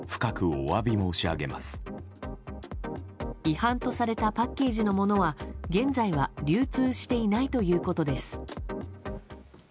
違反とされたパッケージのものは現在は流通していないということです。